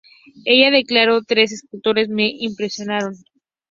Ella declaró: "Tres escultores me impresionaron.